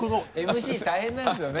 ＭＣ大変なんですよね。